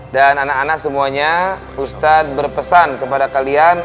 dan anak anak semuanya ustadz berpesan kepada kalian